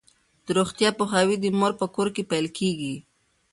د روغتیا پوهاوی د مور په کور کې پیل کیږي.